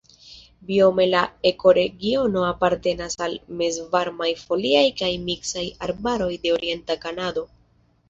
Biome la ekoregiono apartenas al mezvarmaj foliaj kaj miksaj arbaroj de orienta Kanado.